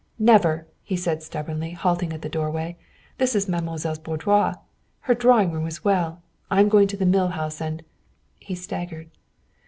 "Never!" he said stubbornly, halting in the doorway. "This is mademoiselle's boudoir. Her drawing room as well. I am going to the mill house and " He staggered.